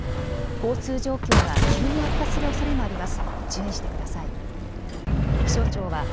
交通状況が急に悪化するおそれもあります。